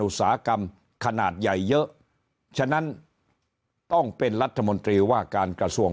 อุตสาหกรรมขนาดใหญ่เยอะฉะนั้นต้องเป็นรัฐมนตรีว่าการกระทรวง